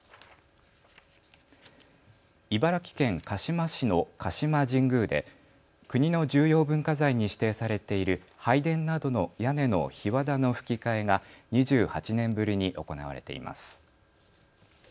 茨城県鹿嶋市の鹿島神宮で国の重要文化財に指定されている拝殿などの屋根のひわだのふき替えが２８年ぶりに行われています。